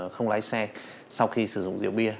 không lái xe sau khi sử dụng rượu bia